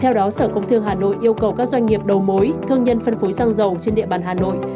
theo đó sở công thương hà nội yêu cầu các doanh nghiệp đầu mối thương nhân phân phối xăng dầu trên địa bàn hà nội